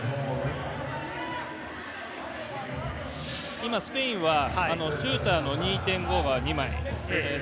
今、スペインはシューターの２．５が２枚。